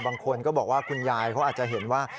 บางคนก็บอกว่าคุณยายเขาอาจจะเห็นว่า